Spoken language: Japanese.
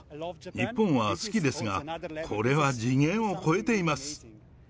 日本は好きですが、これは次元を超えています。